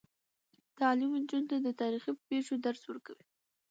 تعلیم نجونو ته د تاریخي پیښو درس ورکوي.